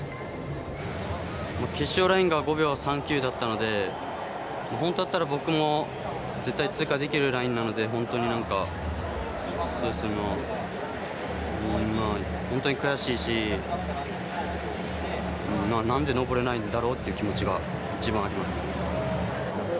決勝ラインが５秒３９だったので本当だったら僕も絶対、通過できるラインなので本当に、悔しいしなんで登れないんだろうっていう気持ちが一番ありますね。